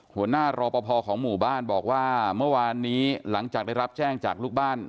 หัวหน้ารอปภของหมู่บ้านบอกว่าเมื่อวานนี้หลังจากได้รับแจ้งจากลูกบ้าน